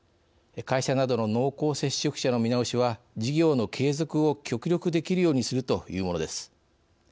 会社などの濃厚接触者の見直しは事業の継続を極力できるようにするというものです。